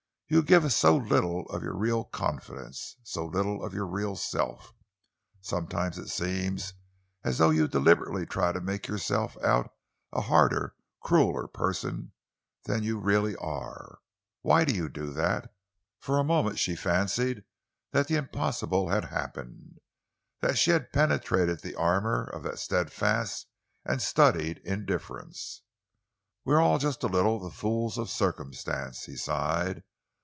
You give us so little of your real confidence, so little of your real self. Sometimes it seems as though you deliberately try to make yourself out a harder, crueller person than you really are. Why do you do that?" For a moment she fancied that the impossible had happened, that she had penetrated the armour of that steadfast and studied indifference. "We are all just a little the fools of circumstance," he sighed.